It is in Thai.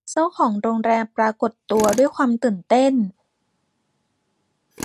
เจ้าของโรงแรมปรากฏตัวด้วยความตื่นเต้น